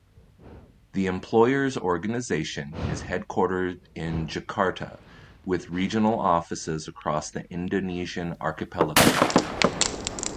The employers organization is headquartered in Jakarta with regional offices across the Indonesian archipelago.